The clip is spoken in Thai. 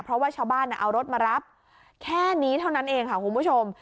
เพราะว่าชาวบ้านเอารถมารับแค่นี้เท่านั้นเองค่ะคุณผู้ชม